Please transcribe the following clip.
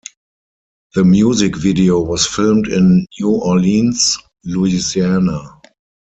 The music video was filmed in New Orleans, Louisiana.